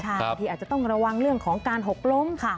บางทีอาจจะต้องระวังเรื่องของการหกล้มค่ะ